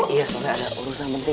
iya soalnya ada urusan menteri